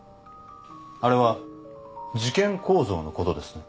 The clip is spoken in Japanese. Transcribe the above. あれは事件構造のことですね？